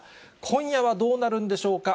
今夜はどうなるんでしょうか。